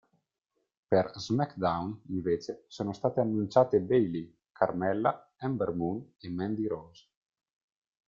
Per "SmackDown", invece, sono state annunciate Bayley, Carmella, Ember Moon e Mandy Rose.